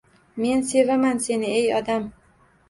Men sevaman seni, ey odam